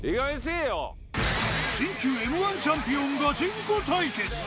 新旧Ｍ−１チャンピオンガチンコ対決